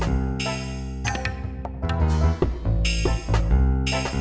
ke mana belum datang